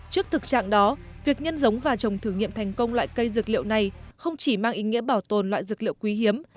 trước thực trạng đó việc nhân giống và trồng thử nghiệm thành công loại cây dược liệu này không chỉ mang ý nghĩa bảo tồn loại dược liệu quý hiếm